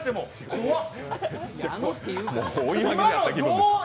怖っ。